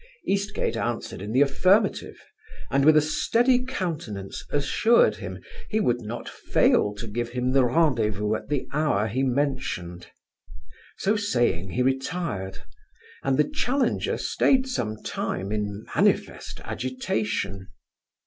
Eastgate answered in the affirmative; and, with a steady countenance, assured him, he would not fail to give him the rendezvous at the hour he mentioned. So saying, he retired; and the challenger stayed some time in manifest agitation.